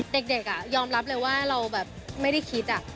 เด็กยอมรับเลยว่าเราแบบไม่ได้คิด